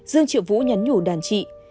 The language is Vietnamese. dương triệu vũ nhắn nhủ đàn chị